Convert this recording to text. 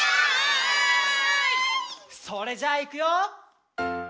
「それじゃあいくよ」